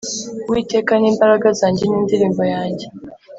uwiteka ni imbaraga zanjye n’indirimbo yanjye,